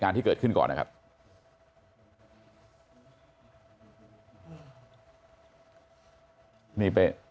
นี่ไป